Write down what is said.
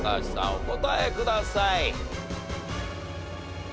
お答えください。